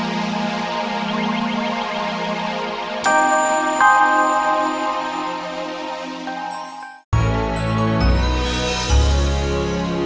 andin akan baik baik aja